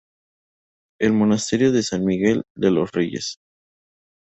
El Monasterio de San Miguel de los Reyes.